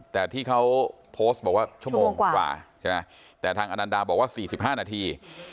แต่ที่เขาโพสต์บอกว่าชั่วโมงกว่าใช่ไหมแต่ทางอนันดาบอกว่า๔๕นาที